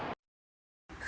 khi thực hiện việc phân cấp